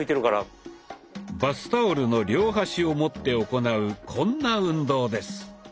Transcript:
バスタオルの両端を持って行うこんな運動です。